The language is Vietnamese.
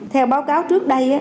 theo báo cáo trước đây